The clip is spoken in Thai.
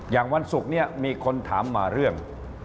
อย่างวันศุกร์เนี่ยมีคนถามมาเรื่อง